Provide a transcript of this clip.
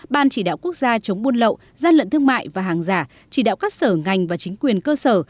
ban chỉ đạo quốc gia chống buôn lậu gian lận thương mại và hàng giả chỉ đạo các sở ngành và chính quyền cơ sở